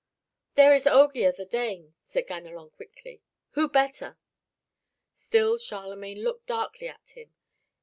"There is Ogier the Dane," said Ganelon quickly, "who better?" Still Charlemagne looked darkly at him.